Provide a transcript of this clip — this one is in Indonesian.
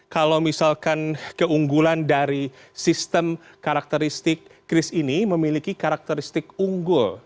kalau misalkan keunggulan dari sistem karakteristik kris ini memiliki karakteristik unggul